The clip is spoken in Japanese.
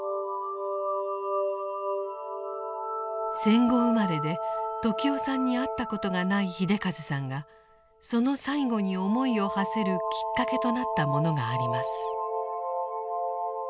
戦後生まれで時雄さんに会ったことがない秀和さんがその最期に思いをはせるきっかけとなったものがあります。